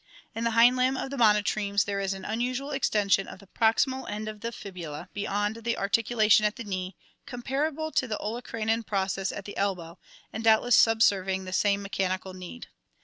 In the hind limb of the monotremes there is an un usual extension of the proximal end of the fibula beyond the ar ticulation at the knee comparable to the olecranon process at the elbow and doubtless subserving the same mechanical need (see Fig.